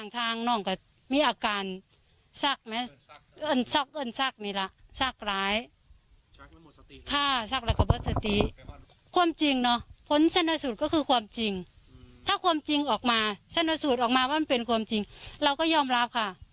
ถ้าความจริงออกมาสั้นสูตรออกมาว่ามันเป็นความจริงเราก็ยอมรับค่ะ